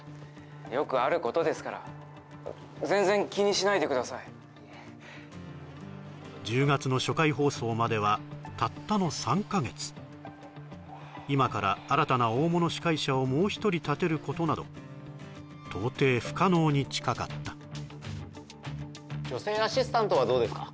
よくあることですから全然気にしないでください１０月の初回放送まではたったの３か月今から新たな大物司会者をもう一人立てることなど到底不可能に近かった女性アシスタントはどうですか？